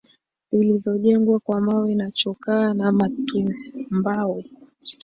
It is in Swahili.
zilizojengwa kwa mawe na chokaa na matumbawe